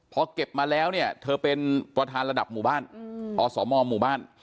พอเก็บมาแล้วเนี่ยเธอเป็นประธานระดับหมู่บ้านอสมหมู่บ้าน